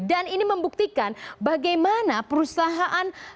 dan ini membuktikan bagaimana perusahaan